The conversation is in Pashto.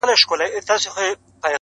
تر پښو لاندي قرار نه ورکاوه مځکي٫